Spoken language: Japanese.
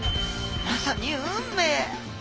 まさに運命！